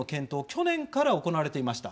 昨年から行われていました。